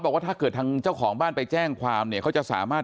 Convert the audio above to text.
บอกว่าถ้าเกิดทางเจ้าของบ้านไปแจ้งความเนี่ยเขาจะสามารถ